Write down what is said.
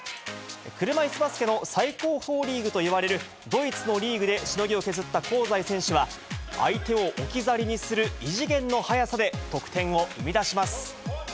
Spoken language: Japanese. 車いすバスケの最高峰リーグといわれる、ドイツのリーグでしのぎを削った香西選手は、相手を置き去りにする異次元の速さで得点を生み出します。